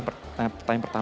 pertanyaan pertama itu adalah